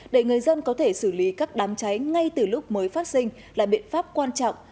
để người dân có thể xử lý các đám cháy ngay từ lúc mới phát sinh là biện pháp quan trọng